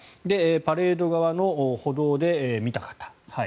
パレード側の歩道で見た方。